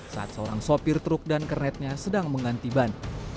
saat seorang sopir truk dan kernetnya sedang mengganti ban